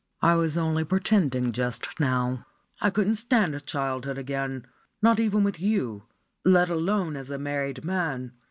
I was only pretending just now. I couldn't stand childhood again, not even with you, let alone as a married man.